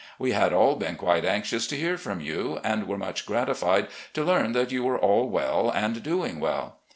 We had all been quite anxious to hear from you, and were much gratified to learn that you were all well, and doing well.